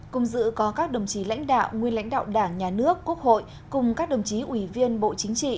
cùng dự có các đồng chí lãnh đạo nguyên lãnh đạo đảng nhà nước quốc hội cùng các đồng chí ủy viên bộ chính trị